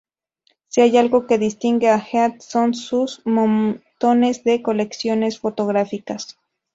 Si hay algo que distingue a Heath son sus montones de colecciones fotográficas.